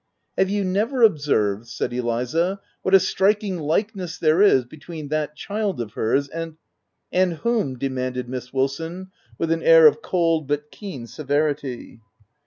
u Have you never observed," said Eliza, " what a striking likeness there is between that child of hers and —* "And whom?" demanded Miss Wilson, with an air of cold, but keen severity.